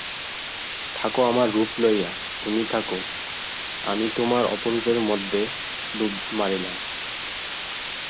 থাকো, আমার রূপ লইয়া তুমি থাকো, আমি তোমার অরূপের মধ্যে ডুব মারিলাম।